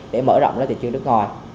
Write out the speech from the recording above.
để mở rộng ra thị trường nước ngoài